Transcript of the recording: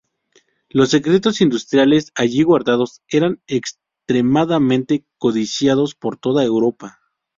Los secretos industriales allí guardados, eran extremadamente codiciados por toda Europa.